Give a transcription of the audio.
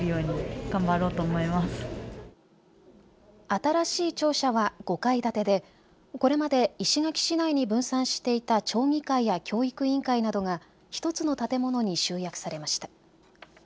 新しい庁舎は５階建てでこれまで石垣市内に分散していた町議会や教育委員会などが１つの建物に集約されました。